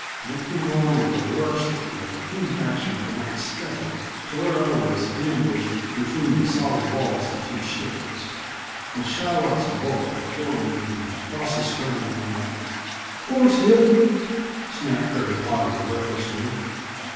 They came on with a rush that the King faction could not stay, to where I was ambushed between the solid walls of two sheds, with Shylock's bulk before me and Frosty swearing at my back. "Horse hit?" snapped Perry Potter breathlessly.